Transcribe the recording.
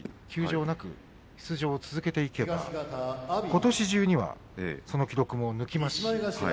休場なく出場を続けていけばことし中にはその記録を抜きます。